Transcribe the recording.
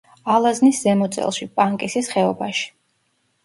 ალაზნის ზემოწელში, პანკისის ხეობაში.